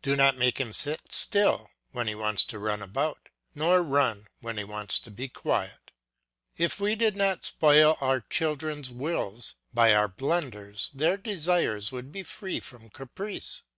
Do not make him sit still when he wants to run about, nor run when he wants to be quiet. If we did not spoil our children's wills by our blunders their desires would be free from caprice.